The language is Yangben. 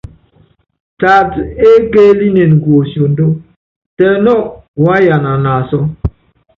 Taatá ékeélinen kuosiondó, tɛ nɔ, waá yana naasɔ́.